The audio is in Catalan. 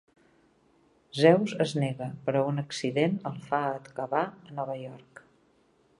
Zeus es nega, però un accident el fa acabar a Nova York.